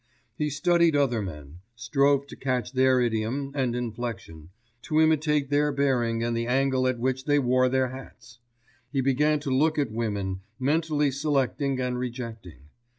He studied other men, strove to catch their idiom and inflection, to imitate their bearing and the angle at which they wore their hats. He began to look at women, mentally selecting and rejecting.